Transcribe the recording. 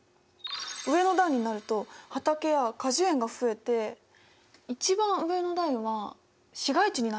上の段になると畑や果樹園が増えて一番上の段は市街地になってます。